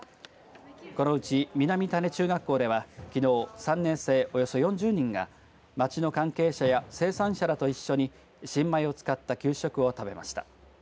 このうち南種子中学校ではきのう３年生およそ４０人が町の関係者や生産者らと一緒に新米を使った給食を食べました。